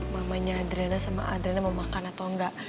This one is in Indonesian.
mamanya adriana sama adriana mau makan atau enggak